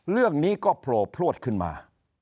เรื่องนี้ก็โผล่พลวดขึ้นมา